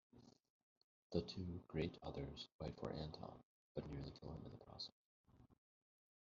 The two Great Others fight for Anton, but nearly kill him in the process.